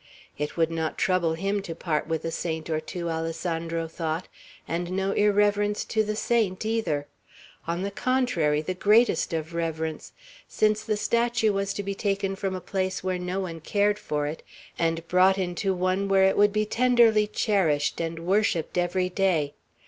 It would not trouble him to part with a saint or two, Alessandro thought, and no irreverence to the saint either; on the contrary, the greatest of reverence, since the statue was to be taken from a place where no one cared for it, and brought into one where it would be tenderly cherished, and worshipped every day.